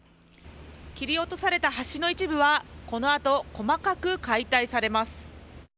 切り落とされた橋の一部はこのあと、細かく解体されます。